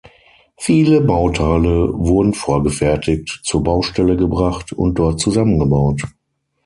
Viele Bauteile wurden vorgefertigt zur Baustelle gebracht und dort zusammengebaut.